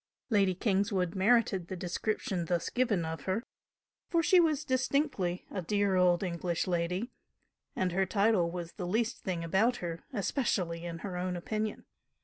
Lady Kingswood merited the description thus given of her, for she was distinctly a dear old English lady, and her title was the least thing about her, especially in her own opinion.